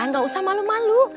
udah gak usah malu malu